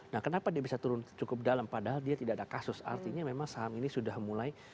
nah kenapa dia bisa turun cukup dalam padahal dia tidak ada kasus artinya memang saham ini sudah mulai